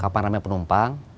kapan ramai penumpang